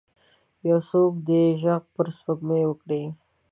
یو څوک دې ږغ پر سپوږمۍ وکړئ